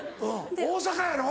大阪やろ？